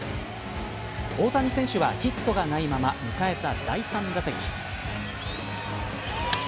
大谷選手はヒットがないまま迎えた第３打席。